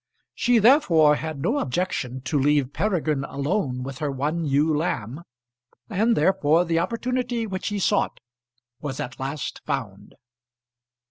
She therefore had no objection to leave Peregrine alone with her one ewe lamb, and therefore the opportunity which he sought was at last found.